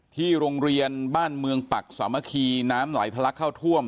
ที่โรงเรียนบ้านเมืองปักสามัคคีน้ำไหลทะลักเข้าท่วม